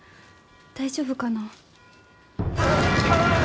大丈夫かな？